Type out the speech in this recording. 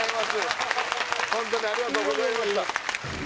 ホントにありがとうございましたい